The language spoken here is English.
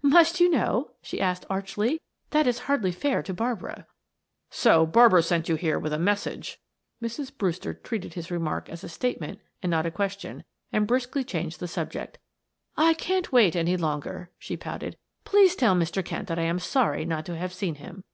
"Must you know?" she asked archly. "That is hardly fair to Barbara." "So Barbara sent you here with a message!" Mrs. Brewster treated his remark as a statement and not a question, and briskly changed the subject. "I can't wait any longer," she pouted. "Please tell Mr. Kent that I am sorry not to have seen him."